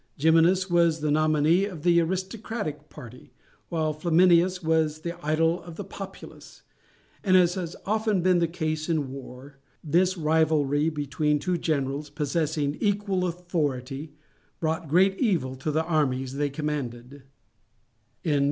Geminus was the nominee of the aristocratic party, while Flaminius was the idol of the populace, and, as has often been the case in war, this rivalry between two generals possessing equal authority wrought great evil to the armies they commanded.